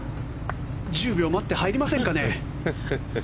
１０秒待って入りませんかね？